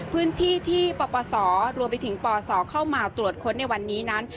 พื้นที่ที่ปปศรวมไปถึงปศเข้ามาตรวจค้นในวันนี้นั้น